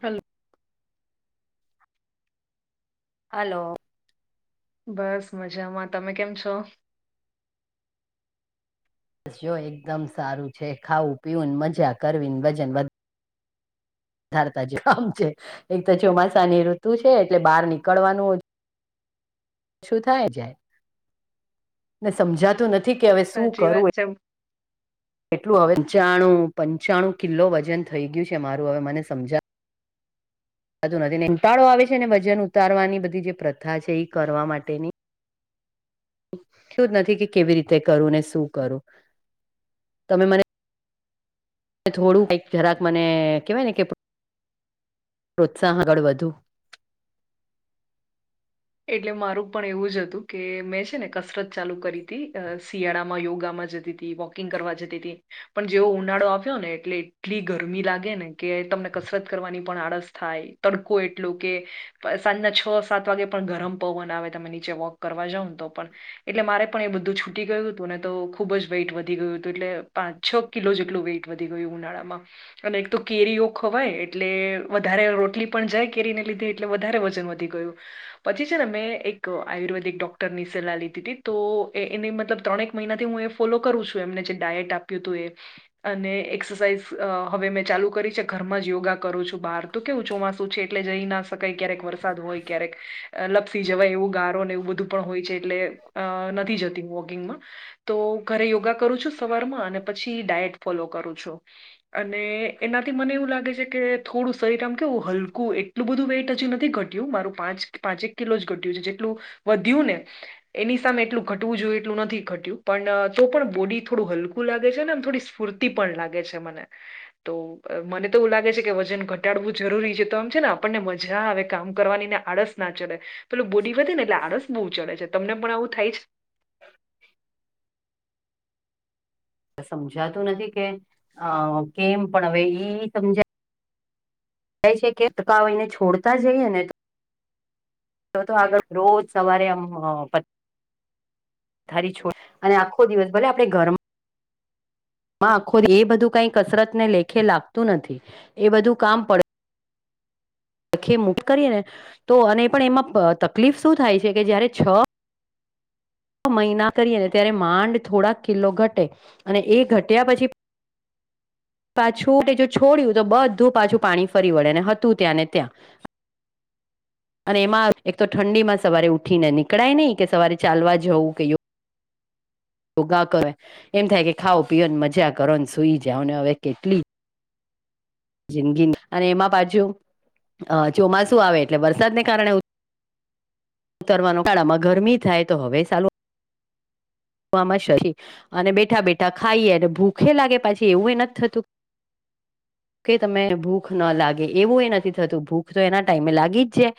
Hello. Hello. બસ મજામાં તમે કેમ છો? જો સારું ખાવું, પીવું અને મજા કરવી ને વજન વધારે ધારતા જ [unintelligible] છે એક તો ચોમાસાની ઋતુ છે એટલે બહાર નીકળવાનું ઓ શું થાય જાય ને સમજાતું નથી કે હવે શું સાચી વાત કરું છે કેટલું હવે પંચાણું પંચાણું કિલો વજન થઈ ગયું છે મારું હવે મને સમજા બધું નથી ને કંટાળો આવે છે ને વજન ઉતારવાની બધી જે પ્રથા છે એ કરવા માટેની. થયું જ નથી કે કેવી રીતે કરું ને શું કરું. તમે મને થોડું કઈક જરાક મને કહેવાય ને કે [inaudible] પ્રોત્સાહનગળ વધુ. એટલે મારું પણ એવું જ હતું કે મેં છે ને કસરત ચાલુ કરી હતી શિયાળામાં યોગામાં જતી હતી ઈ વોકિંગ કરવા જતી હતી પણ જેવો ઉનાળો આવ્યો ને એટલે એટલી ગરમી લાગે ને કે તમને કસરત કરવાની પણ આળસ થાય. તડકો એટલો કે સાંજના છ સાત વાગે પણ ગરમ પવન આવે તમે નીચે વોક કરવા જાાવ ને તો પણ. એટલે મારે પણ એ બધું છૂટી ગયું હતું ને તો ખુબ જ વેટ વધી ગયું હતું એટલે પાચ છ કિલો જેટલું વેઇટ વધી ગયું ઉનાળામાં અને એક તો કેરીઓ ખવાય એટલે વધારે રોટલી પણ જાય કેરીને લીધે એટલે વધારે વજન વધી ગયું. [inaudible] પછી છે ને મેં, એક આયુર્વેદિક ડોક્ટર ની સલાહ લીધી હતી તો એ એની મતલબ ત્રણેક મહિનાથી હું એ ફોલો કરું છું એમને જે ડાયટ આપ્યું તુંએ અને એક્સરસાઇઝ અહ હવે મેં ચાલુ કરી છે ઘરમાં જ યોગા કરું છું બહાર. તો કેવું ચોમાસું છે એટલે જઈ ના શકાય ક્યારેક વરસાદ હોય ક્યારેક લપસી જવાય એવું ગારોને એવું બધું પણ હોય છે એટલે અ નથી જતી હું ઇંગમાં તો ઘરે યોગા કરું છું સવાર માં અને પછી ડાયટ ફોલો કરું છું અને એનાથી મને એવું લાગે છે કે થોડું શરીર આમ કેવું હલકું એટલું બધું વેઇટ હજી નથી ઘટ્યું મારું પાંચ પાંચેક કિલો જ ઘટ્યું છે જેટલું વધ્યું ને એની સામે એટલું ઘટવું જોઈ એટલું નથી ઘટ્યું પણ તો પણ બોડી થોડું હલકું લાગે છે ને એમ થોડી સ્ફૂર્તિ પણ લાગે છે મને તો મને તો એવું લાગે છે કે વજન ઘટાડવું જરૂરી છે તો એમ છે ને આપણને મજા આવે કામ કરવાની ને આળસ ના ચડે પેલું બોડી વધે ને એટલે આળસ બહુ ચડે છે તમને પણ આવું થાય જ સમજાતું નથી કે અહ કેમ? પણ હવે ઈ સમજાય એ છે કે અટકાવ એને છોડતા જઈએ ને? તો તો આગળ રોજ સવારે આમ ધારી છોડ અને આખો દિવસ ભલે આપણે ઘર આખો એ બધું કઈ કસરત ને લેખે લાગતું નથી એ બધું કામ પ ખે મુટ કરીએને તો અને પણ એમાં તકલીફ શું થાય છે કે જયારે છ મહિના કરીએ ને ત્યારે માંડ થોડાક કિલો ઘટે અને એ ઘટ્યા પછી, પાછું જો તે છોડ્યું તો બધું પાછું પાણી ફરી વળે ને હતું ત્યાંને ત્યાં, [unintelligible] [inaudible] અને એમાં એક તો ઠંડીમાં સવારે ઉઠી ને નીકળાય નહીં કે સવારે ચાલવા જવું કે, યોગા કરે એમ થાય કે ખાવ પીઓને મજા કરો ને સુઈ જાવને હવે કેટલી, જિંદગી અને એમાં પાછું ચોમાસુ આવે એટલે વરસાદને કારણે, ઉતારવાનું ઉનાળામાં ગરમી થાય તો હવે સાલું, બપ સડીયુ અને બેઠા- બેઠા ખાઈએ અને ભૂખે લાગે પછી એવું એ નથી થતું. કે તમે ભૂખ ન લાગે એવું એ નથી થતું ભૂખ તો એના ટાઈમે લાગી જ જાય,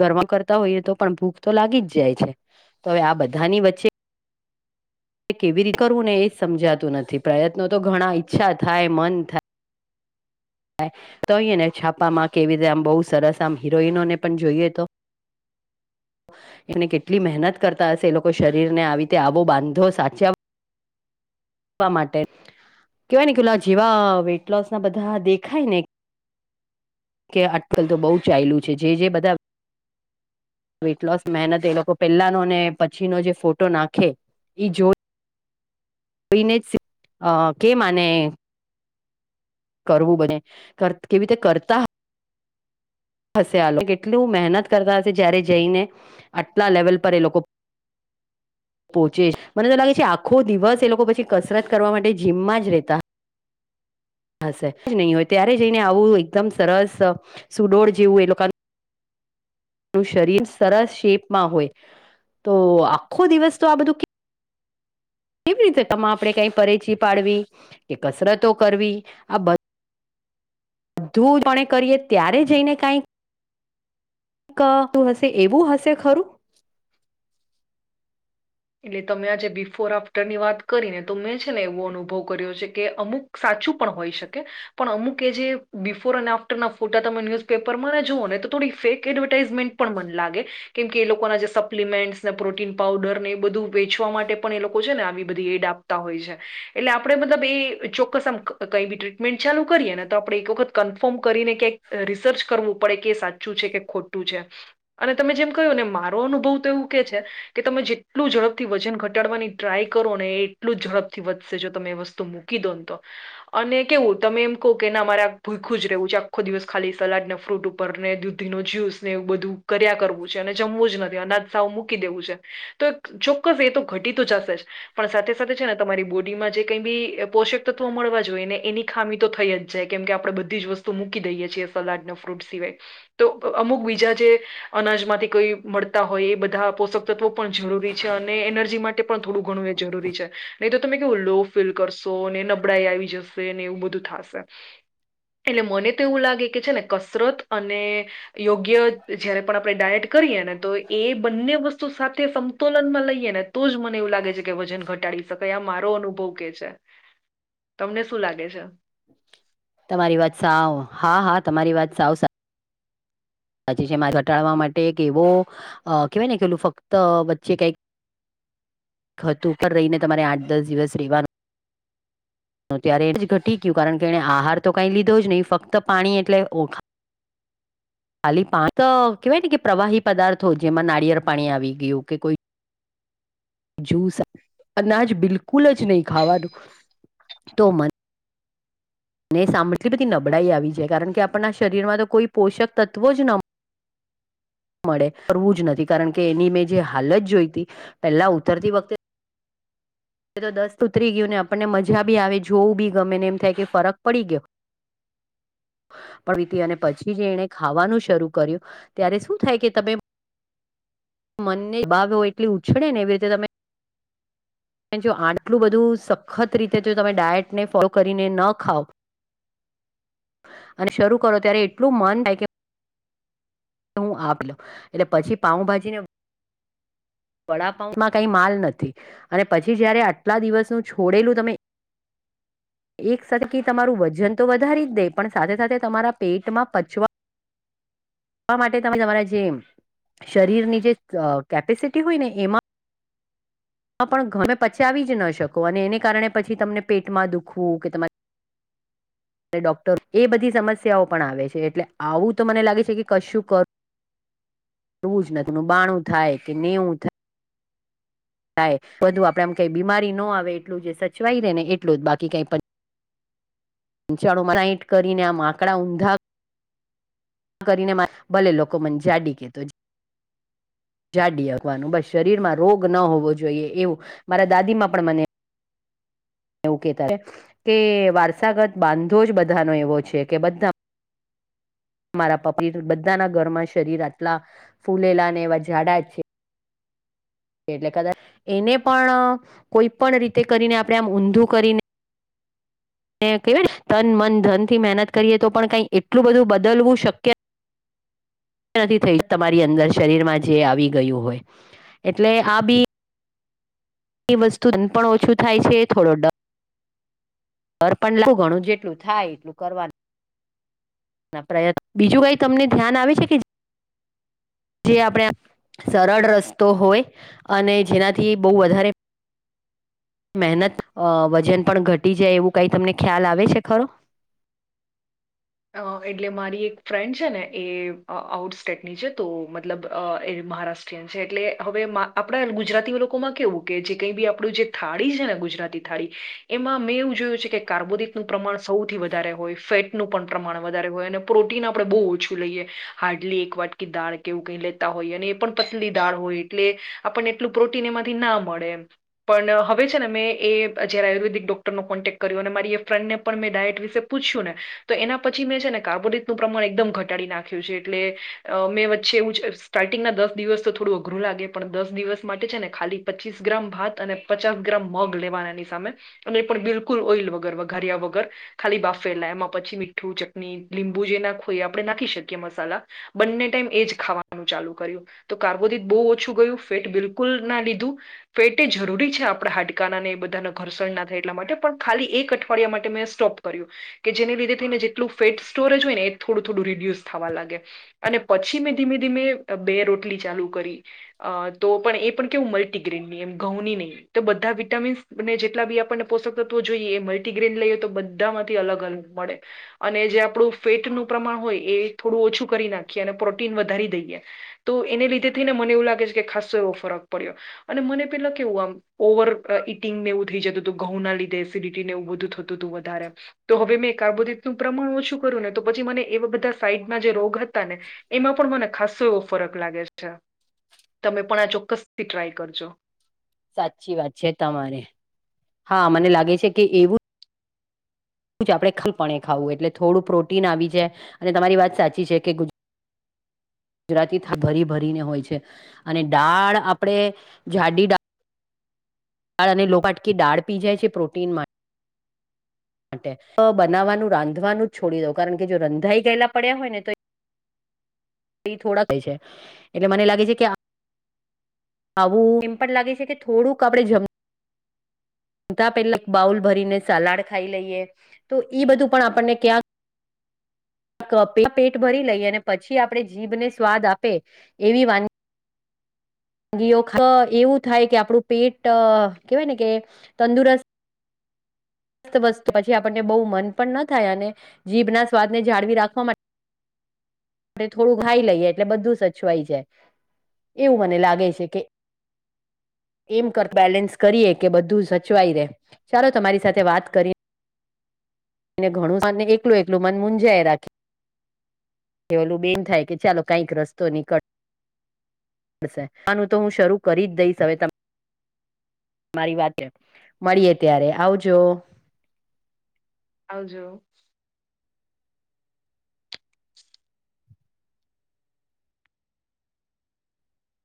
ઘરમાં કરતા હોઈએ તો પણ ભૂખતો લાગી જ જાય છે, તો હવે આ બધાની વચ્ચે કેવી રીતે કરવું ને એજ સમજાતું નથી પ્રયત્નો તો ઘણા ઈચ્છા થાય મન થાય. તો અહીંને છાપામાં કેવી રીતે આમ બહુ સરસ આમ હિરોઈનો ને પણ જોઈએતો, એને કેટલી મહેનત કરતા હશે એ લોકો શરીર ને આવી રીતે આવો બાંધો સાચાં, સાચવાવા માટે કેવાયને પેલા જેવા વેટ લોસ ના બધા દેખાય ને, કે આજકાલ તો બઉ ચાયલુ છે, જે જે બધા વેઇટલોસ મહેનત એ લોકો પેલાનો ને પછીનો જે ફોટો નાખે એ જોઈ, કોઈને કે માને, કરવું બને કેવી રીતે કરતા, હશે આ લોકો કેટલુ મહેનત કરતા હશે જયારે જઈને, આટલા લેવલ પર એ લોકો, પોહચે મને તો લાગે છે, દિવસ લોકો પછી કસરત કરવા માટે જીમમાં જ રેતા. હશે નહીં હોય ત્યારે જઈને આવું એકદમ સરસ સુડોળ જેવુ એ લોકોનું. એમનું શરીર સરસ શેપમાં હોય, તો આખો દિવસતો આ બધું, કેવી રીતે આપણે કઈ પરેચી પાડવી કે કસરતો કરવી આ બંધુ. ધું જોણે કરીએ ત્યારે જઈને કાંઈ ક હું હશે એવું હશે ખરું? એટલે તમે આજે બિફોર આફ્ટરની વાત કરીનેતો મેં છે, ને એવો અનુભવ કર્યો છે, કે અમુક સાચું પણ હોય શકે પણ અમુક એજે બિફોર અને આફ્ટરના ફોટા તમે ન્યૂઝ પેપર માણે જોઓ નેતો થોડી ફેક એડવાટાઇઝમેન્ટ પણ મન લાગે કેમ કેએ લોકોના જે સપ્લીમેન્ટ ને પ્રોટીન પાઉડરને બધું વેચવા માટે પણ એ લોકો છે, ને આવી બધી એડ આપતા હોય છે, એટલે આપડે મતલબ એ ચોક્કસ આમ કંઈ ભી ટ્રીટમેન્ટ ચાલુ કરીએ નેતો આપણે એક વખત કન્ફર્મ કરીને ક્યાંક રિસર્ચ કરવું પડે કે સાચું છે, કે ખોટું છે, અને તમે જેમ કહ્યું ને મારો અનુભવ તો એવું કે છે, કે તમે જે ટલું ઝડપથી વજન ઘટાડવાની ટ્રાય કરોને એટલું ઝડપથી વધશે જો તમે એ વસ્તુ મું કી દોન તો અને કેવું તમે એમ કહો કે ના મામારે ભૂખ્યું જ રહેવું છે, આખો દિવસ ખાલી સલાડ ને ફ્રૂટ ઉપ પર ને દુધીનો જ્યુસ ને એવું બધું કર્યા કરવું વું છેને જમવું જ નથી અનાજ સાવ મૂકી દેવું છે, તો ચોક્કસ એતો ઘટી તો જશે જ પણ સાથે સાથે છે, ને તમારી બોડીમાં જે કઈ ભી પોષક તત્વો મળવા જોઈએ ને એની ખામી તો થઈ જ જાય કેમ કે આપણે બધી જ વસ્તુ મૂકી દઈએ છીએ, સલાડના ફ્રૂટ સિવાય તો અમુક બીજા જે અનાજમાંથી કોઈ મળતા હોય એ બધા પોષક તત્વો પણ જરૂરી છે અને એનર્જી માટે પણ થોડું ઘણું એ જરૂરી છે, નહીં તો તમે કેવું લો ફીલ કરશો ને નબળાઈ આવી જ શે ને એવું બધું થાશે એટલે મને તો એવું લાગે કે છે, ને કસરત અને યોગ્ય જયારે પણ આપણે ડાયટ કરીએ નેતો એ બંને વસ્તુ સાથે સમ તોલનમાં લઈએ નેતો જ મને એવું લાગે છે, કે વજન ઘટાડી શકાય આ મારો અનુભવ કે છે. તમને શું લાગે છે. તમારી વાત સાવ હા, હા તમારી વાત સાવ સા સાચી છે મા ઘટાડવા માટે કે એવો કહેવાય ને કેલું ફક્ત વચ્ચે કઈક ખતું ઉપર રહીને તમારે આઠ દસ દિવસ રહેવાનું ત્યારે એ જ ઘટી ગયું કારણ કે એ આહાર તો કઈ લીધો જ નહીં ફક્ત પાણી એટલે ઓખા હ ખાલી પાણી તો કેવાય ને કે પ્રવાહી પદાર્થો જેમાં નારિયળ પાણી આવી ગયું કે કોઈ જૂસ અનાજ બિલકુલ જ નહી ખાવાનું તો મને ને સાંભ બધી નબળાઈ આવી જાય કારણ કે આપણના શરીર માં તો કોઈ પોષક તત્વો જ ન મળે કરવું જ નથી કારણ કે એની મેં જે હાલત જોઈતી પેલા ઉતરતી વખતે એતો દસ્ત ઊતરી ગ્યું ને આપણને મજા બી આવે જોવું બી ગમે ને એમ થાય કે ફરક પડી ગ્યો. પ વીતી અને પછી જે એને ખાવાનું શરૂ કર્યું ત્યારે શું થાય કે તમે મનને બાાવ હોય એટલી ઉછળે ને એવી રીતે તમે જો આટલું બધું સખત રીતે જો તમે ડાયટને ફોલો કરીને ન ખાવ અને શરૂ કરો ત્યારે એટલું મન થાય કે હું આપ લઉ એટલે પછી પાઉભાજી ને વડાપઉમાં કઈ માલ નથી અને પછી જયારે આટલા દિવસનું છોડેલું તમે એક સાથેકી તમારું વજન તો વધારી જ દે પણ સાથે સાથે તમારા પેટમાં પચવા વા માટે તમે તમારા જે શરીરની જે અ કેપેસિટી હોય ને એમાં હ પણ ગમે પચાવી જ ન શકો અને એને કારણે પછી તમને પેટમાં દુખવું કે તમારે એ ડોક્ટરો એ બધી સમસ્યાઓ પણ આવે છે એટલે આવું તો મને લાગે છે કે કશું ક રવુ જ નથી બાાણું થાય કે નેવું થાય થાય બધું આપડે એમ કઈ બીમારી ન આવે એટલું જે સચવાઈ રહેે ને એટલું જ બાકી કઈ પ [unintelligible] મારાઇટ કરીને આમ આકડા ઊંધા કરીને ભલે લોકો મને જાડી કેતો જા જાડી આપકવાનું બસ શરીરમાં રોગ ન હોવો જોઈએ એવું મારા દાદીમાં પણ મને એવું કેતા કે વારસાગત બાંધો જ બધાનો એવો છે, કે બધા મારા પપી બધાના ઘરમાં શરીર આટલા ફૂલેલા ને એવા ઝાડા છે. એટલે કદાચ એને પણ કોઈ પણ રીતે કરીને આપણે આમ ઊંધું કરીને ને કવાય ને ધન, મન, ધન થી મહેનત કરીએ તો પણ કઈ એટલું બધું બદલવું શક્ય નથી થય તમારી અંદર શરીરમાં જે આવી ગયું હોય એટલે આ બી વસ્તુન ઓછું થાય છે, થોડો ડ દર પણ લાગતુ ઘણું જેટલું થાય એટલું કરવાનું પ્રત્ન બીજું કઈ તમને ધ્યાન આવે છે, કે જે આપણે સરળ રસ્તો હોય અને જેનાથી બો વધારે મહેનત અ વજન પણ ઘટી જાય એવું કઈ તમને ખ્યાલ આવે છે, ખરો? અ એટલે મારી એક ફ્રેન્ડ છે, ને એ આઉટ સ્ટેટની છે, તો મતલબ એ મહારાષ એટલે હવે આપણા ગુજરાતી લોકોમાં કેવું કે જે કઈ બી આપણું જે થાળી છે, ને ગુજરાતી થાડી એમા મે એવું જોયું છે, કાર્બોટનું પ્રમાણ સૌથી વધારે હોય ફેટનું પણ પ્રમાણ વધારે હોય અને પ્રોટીન આપણે બો ઓછું લઈએ હાર્ડલી એક વાટકી દાળ કેવું કઈ લેતા હોય અને એ પણ પતલી દાળ હોય એટલે આપણને એટલું પ્રોટીન એમાંથી ના મળે એમ પણ હવે છે, ને મેં એ જયારે આયુર્વેદિક ડોક્ટરનો કોન્ટેક્ટ કર્યો અને મારી ફ્રેન્ડને પણ મે ડાયટ વિશે પૂછયુ ને તો એના પછી મેં છે, ને કાર્બોરેટનું પ્રમાણ એકદમ ઘટાડી નાખ્યું છે, એટલે અ મેં વચ્ચે એવું જ સ્ટાર્ટિંગના દસ દિવસ તો થોડું અઘરું લાગે પણ દસ દિવસ માટે છે, ને ખાલી પચીસ ગ્રામ ભાત અને પચાસ ગ્રામ મગ લેવાના એની સામે અને એ પણ બિલકુલ ઓઇલ વગર વઘાર્યા વગર ખાલી બાફેલા એમાં પછી મીઠું, ચટણી, લીંબુ જે નાખું એ આપણે નાખી શકીએ મસાલા બંને ટાઈમ એજ ખાવાનું ચાલુ કર્યું તો કાર્બોદીટ બો ઓછું ગયું ફેટ બિલકુલના લીધું પેટી જરૂરી છે, આપણા હાડકાનાને એ બધાના ઘર્ષણના થાય માટે પણ ખાલી એક અઠવાડિયા માટે મેં સ્ટોપ કર્યો કે જેને લીધે થઈને જેટલું ફેટ સ્ટોરેજ હોયને એ થોડું થોડું રીડ્યુસ થાવા લાગે અને પછી મેં ધીમે ધીમે બે રોટલી ચાલુ કરી અ તો પણ એ પણ કેવું મલ્ટીગ્રેનની એમ ઘઉં ની ની તો બધા વિટામિન્સને જેટલાબી આપણને પોષક તત્વો જોઈએ એ મલ્ટીગ્રેન લઈએતો બધા માંથી અલગ અલ મળે અને જે આપણું ફેટનું પ્રમાણ હોય એ થોડું ઓછું કરી નાખીએ અને પ્રોટીન વધારી દઈએ તો એને લીધે થઈને મને એવું લાગે છે, કે ખાસો એવો ફરક પડ્યો અને મને પેલા કેવું આમ ઓવર ઈટિંગને એવું થઈ જતું હતું ઘઉંના લીધે એસિડિટીને એવું બધું થતું હતું વધારે તો હવે મેં કાર્બોદીટનું પ્રમાણ ઓછું કર્યું ને તો પછી મને એવા બધા સાઈડમાં જે રોગ હ તા ને એમાં પણ મને ખાસો એવો ફરક લાગે છે, તમે પણ આ ચોક્કસથી ટ્રાય કરજો સાચી વાત છે, તમારી હા મને લાગે છે, કે એવું આપણે ખલપણે ખાવું એટલે થોડું પ્રોટીન આવી જાઈ અને તમારી વાત સાચી છે, કે ગુ ગુજરાતી ભરી ભરીને હોય છે, અને ડાળ આપણે જાડી ડા દાળ અને લોપાટકી દાળ પી જાય છે, પ્રોટીનમાં માટે તો બનાવવાનું રાંધવાનું જ છોડી દઉ, કારણ કે જો રંધાઈ ગયેલા પડ્યા હોય ને તો- ઈ થોડા [unintelligible] છે એટલે મને લાગે છે કે- આવું એમ પણ લાગે છે કે, થોડુંક આપણે જમ- જમતા પહલે બાઉલ ભરીને સલાડ ખાઈ લઈએ, તો ઈ બધું પણ આપણને ક્યાંક- - પેટ ભરી લઈએ, અને પછી, આપડે જીભ ને સ્વાદ આપે એવી વાનગી- - ઓ એવું થાય કે આપડું પેટ કેહેવાય ને કે તંદુરસ્ત, - -વસ્તુ પછી આપણને બહુ મન પણ ન થાય, અને જીભ ના સ્વાદને જાળવી રાખવા માટે- આપડે થોડું ખાઈ લઈએ, એટલે બધું સચવાઈ જાય એવું મને લાગે છે કે- - એમ કર બેલેન્સ કરીએ કે, બધું સચવાઈ રહે. ચાલો તમારી સાથે વાત કરી- એને ઘણું મને એકલું એકલું, મન મુંજાય એ રાખી કેલું બેમ થાય કે ચાલો કઈક રસ્તો નીકળ - -નીકળશે આનું તો હું શરૂ કરી જ દઈશ. હવે ત- મારી વાત છે, મળીએે ત્યારે આવજો. આવજો..